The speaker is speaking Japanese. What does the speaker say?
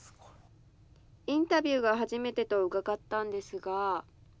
インタビューが初めてと伺ったんですが。